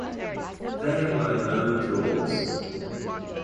There were no draws.